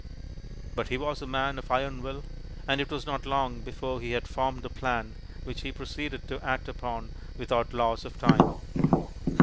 But he was a man of iron will, and it was not long before he had formed a plan, which he proceeded to act upon without loss of time.